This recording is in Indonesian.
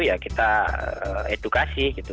ya kita edukasi gitu